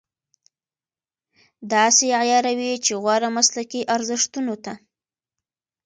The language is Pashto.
داسې عیاروي چې غوره مسلکي ارزښتونو ته.